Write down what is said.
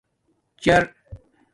چٔر